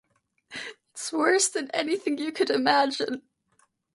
It’s worse than anything you could imagine.